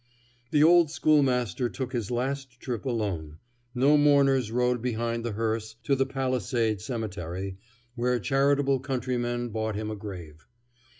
The old schoolmaster took his last trip alone; no mourners rode behind the hearse to the Palisade Cemetery, where charitable countrymen bought him a grave.